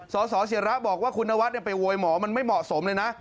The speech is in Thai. สสิระบอกว่าคุณนวัดไปโวยหมอมันไม่เหมาะสมเลยนะ